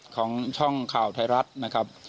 ของช่องข่าวไทยรัฐนะครับ